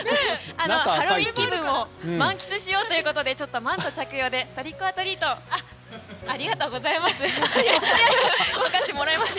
ハロウィーン気分を満喫しようということでマント着用でありがとうございます。